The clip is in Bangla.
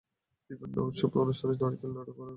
বিভিন্ন উৎসব-অনুষ্ঠানে নারকেলের নাড়ু রাখার প্রচলন আছে।